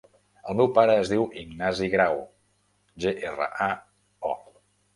El meu pare es diu Ignasi Grao: ge, erra, a, o.